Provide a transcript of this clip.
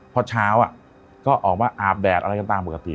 พอเช้าก็ออกมาอาบแดดอะไรกันตามปกติ